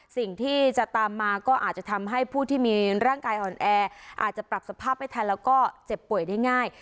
สิ่งที่จะตามมาก็อาจจะทำให้ผู้ที่มีร่างกายอ่อนแออาจจะปรับสภาพไม่ทันแล้วก็เจ็บป่วยได้ง่าย